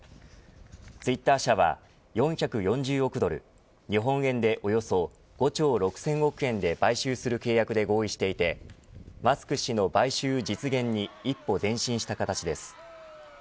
ツイッター社は４４０億ドル日本円でおよそ５兆６０００億円で買収する契約で合意していてマスク氏の買収実現に一歩前進した形です。